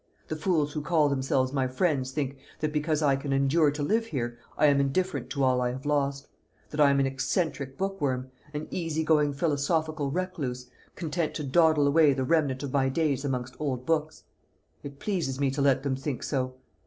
The fools who call themselves my friends think, that because I can endure to live here, I am indifferent to all I have lost; that I am an eccentric bookworm an easy going philosophical recluse, content to dawdle away the remnant of my days amongst old books. It pleases me to let them think so.